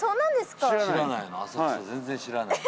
浅草全然知らない。